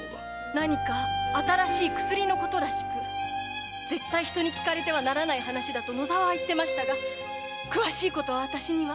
何か新しい薬のことらしく絶対人に聞かれてはならない話だと野沢は言ってましたが詳しいことは私には。